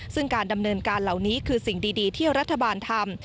ซึ่งการดำเนินการเหล่านี้คือสิ่งดีที่รัฐบาลทำ